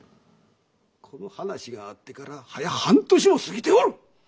この話があってからはや半年も過ぎておる！